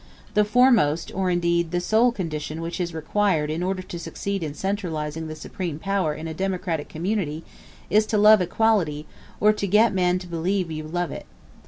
The foremost or indeed the sole condition which is required in order to succeed in centralizing the supreme power in a democratic community, is to love equality, or to get men to believe you love it.